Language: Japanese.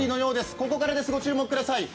ここからです、ご注目ください。